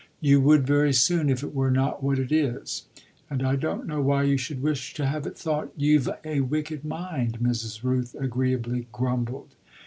"You would very soon if it were not what it is." "And I don't know why you should wish to have it thought you've a wicked mind," Mrs. Rooth agreeably grumbled.